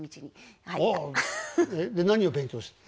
で何を勉強したの？